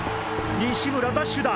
西村ダッシュだ！